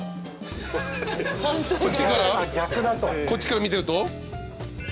こっちから見てると？